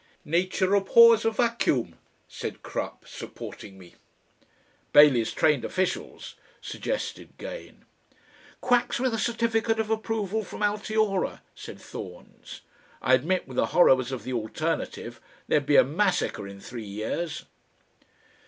"Nature abhors a Vacuum," said Crupp, supporting me. "Bailey's trained officials," suggested Gane. "Quacks with a certificate of approval from Altiora," said Thorns. "I admit the horrors of the alternative. There'd be a massacre in three years."